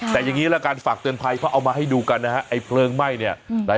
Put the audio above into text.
แต่อย่างนี้ละกันฝากเตือนภัยเพราะเอามาให้ดูกันนะฮะไอ้เพลิงไหม้เนี่ย